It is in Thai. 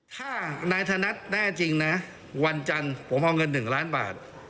ถ้านายธนัดแน่จริงนะวันจันทร์ผมเอาเงิน๑ล้านบาท